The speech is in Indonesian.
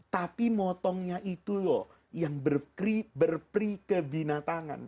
tapi potongnya itu loh yang berperi ke binatangan